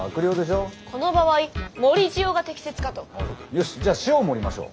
よしじゃあ塩を盛りましょう。